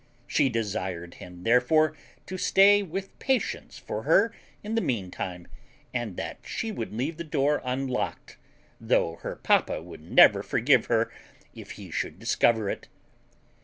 She desired him therefore to stay with patience for her in the mean time, and that she would leave the door unlocked, though her papa would never forgive her if he should discover it.